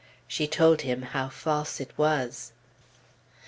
She told him how false it was.